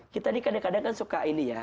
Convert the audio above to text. kita ini kadang kadang kan suka ini ya